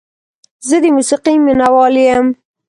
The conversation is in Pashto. زه د موسیقۍ مینه وال یم.